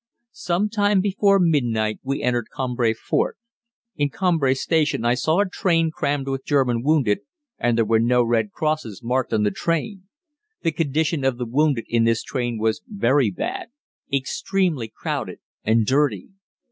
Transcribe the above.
Some time before midnight we entered Cambrai fort. In Cambrai station I saw a train crammed with German wounded, and there were no red crosses marked on the train. The condition of the wounded in this train was very bad extremely crowded and dirty.